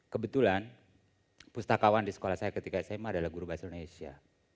kebetulan pustakawan di sekolah saya ketika sma adalah guru bahasa indonesia